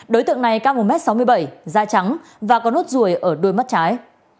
đối tượng này cao một m sáu mươi bảy da trắng và có nốt ruồi ở đuôi mắt trái